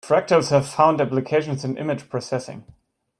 Fractals have found applications in image processing.